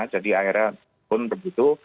jadi akhirnya pun begitu